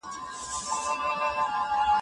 که څېړونکی هڅه وکړي نو پايله ښه کېږي.